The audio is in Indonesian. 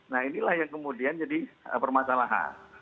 nah inilah yang kemudian jadi permasalahan